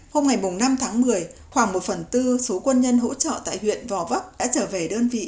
hôm ngày năm tháng một mươi khoảng một phần tư số quân nhân hỗ trợ tại huyện gò vấp đã trở về đơn vị